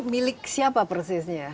milik siapa persisnya